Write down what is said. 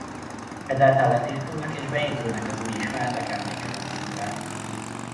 Ezáltal letisztulnak és beépülnek az új ismeretek emlékezetünkbe.